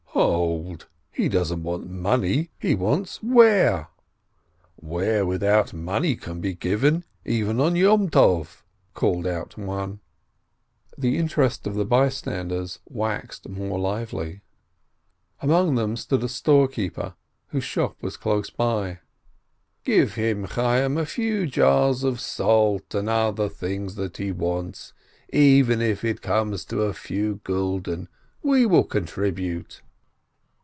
"Hold! he doesn't want money! He wants ware. Ware without money may be given even on a festival," called out one. LATE 419 The interest of the bystanders waxed more lively. Among them stood a storekeeper, whose shop was close by. "Give him, Chayyim, a few jars of salt and other things that he wants — even if it comes to a few gulden. We will contribute."